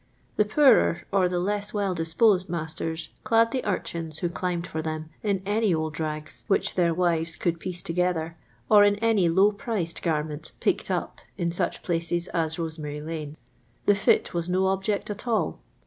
The poorer or the le»i well dip posed masters clad the urchins vho Llinibcd for them in any old rags which their wives could piece together, or in any luw priced gannent "picked up'' in such places as Kosemarr lane. The tit was no object at all.